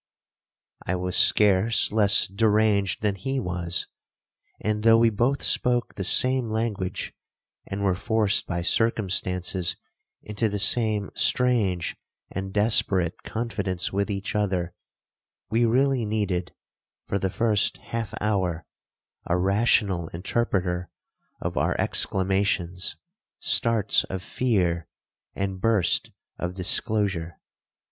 I was scarce less deranged than he was; and, though we both spoke the same language, and were forced by circumstances into the same strange and desperate confidence with each other, we really needed, for the first half hour, a rational interpreter of our exclamations, starts of fear, and burst of disclosure.